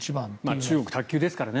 中国は卓球ですからね。